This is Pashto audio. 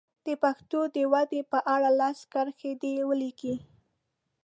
د پښتو د ودې په اړه لس کرښې دې ولیکي.